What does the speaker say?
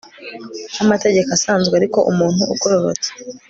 Nkamategeko asanzwe ariko umuntu ugororotse